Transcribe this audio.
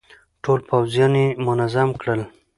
ټول پوځيان يې منظم کړل.